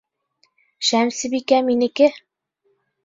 Шәмсебикә минеке!